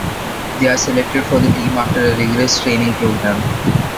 They are selected for the team after a rigorous training program.